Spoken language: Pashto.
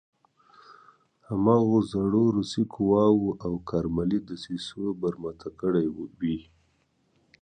هماغو زړو روسي قواوو او کارملي دسیسو برمته کړی وي.